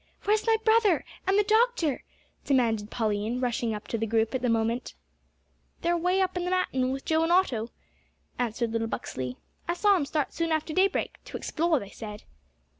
"Where is my brother and the doctor?" demanded Pauline, running up to the group at the moment. "They're away up the mountain, with Joe and Otto," answered little Buxley; "I saw 'em start soon after daybreak to explore, they said."